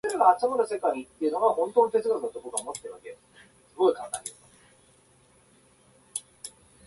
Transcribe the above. ご利用代金明細書在中